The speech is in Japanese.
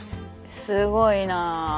すごいな。